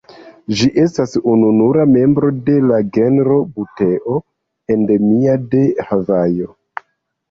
Ĝi estas ununura membro de la genro "Buteo" endemia de Havajo.